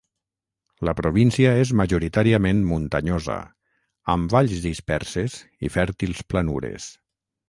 La província és majoritàriament muntanyosa, amb valls disperses i fèrtils planures.